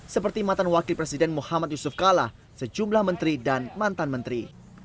seperti mantan wakil presiden muhammad yusuf kala sejumlah menteri dan mantan menteri